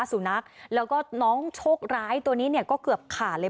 สุนัขแล้วก็น้องโชคร้ายตัวนี้เนี่ยก็เกือบขาดเลย